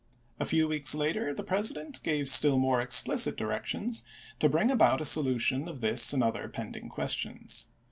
A few weeks later the President gave still more explicit directions to bring about a solution of this and other pending questions.